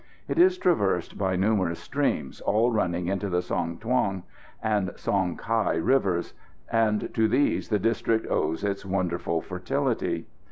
It is traversed by numerous streams all running into the Song Thuong and Song Cau rivers, and to these the district owes its wonderful fertility.